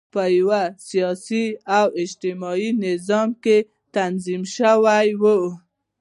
په یوه سیاسي او اجتماعي نظام کې تنظیم شوي.